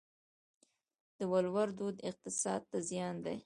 د ولور دود اقتصاد ته زیان دی؟